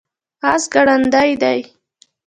اس ګړندی دی